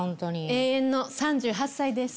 永遠の３８歳です。